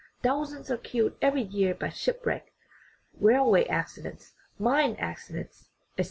Thou sands are killed every year by shipwreck, railway accidents, mine accidents, etc.